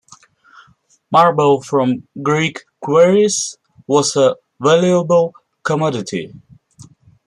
Marble from Greek quarries was a valuable commodity.